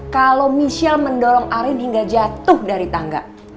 kalau michelle mendorong arin hingga jatuh dari tangga